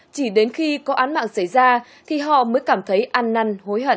chỉ đến khi có án mạng xảy ra thì họ mới cảm thấy ăn năn hối hận